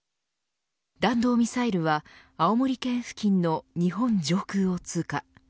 弾道ミサイルは青森県付近の日本上空を通過。